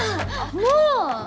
もう！